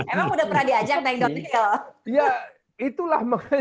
emang udah pernah diajak naik downhill